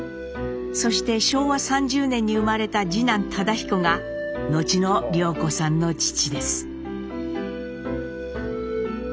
そして昭和３０年に生まれた次男忠彦が後の涼子さんの父です。